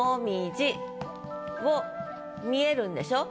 見えるんでしょ？